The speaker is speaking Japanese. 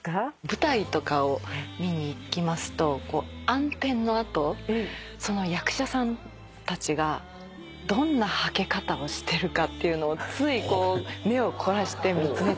舞台とかを見に行きますと暗転の後その役者さんたちがどんなはけ方をしてるかっていうのをつい目を凝らして見つめちゃいます。